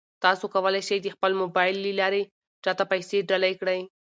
تاسو کولای شئ د خپل موبایل له لارې چا ته پیسې ډالۍ کړئ.